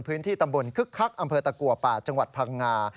พื้นที่ตำบลคึกคักอำเภอตะกัวป่าจังหวัดพังงา